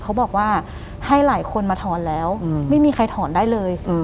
เขาบอกว่าให้หลายคนมาถอนแล้วไม่มีใครถอนได้เลย